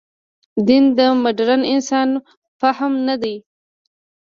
دین د مډرن انسان فهم نه دی.